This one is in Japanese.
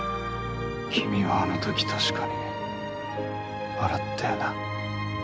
君はあの時確かに笑ったよな。